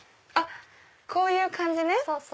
こういう感じね。